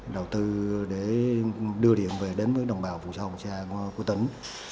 đầu tư để đưa điện về đến với đồng bào vùng sâu vùng xa của tỉnh